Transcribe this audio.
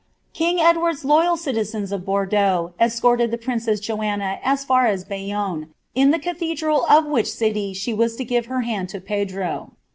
Kin^t Edward's loyal citizens of Bordnaui eacorted ihe princcvs Jcuni aA far as Baycinne, in ihe raihedral of which eiiy ahe waa to give km hand to Pedro.